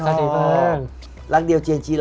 แมทโอปอล์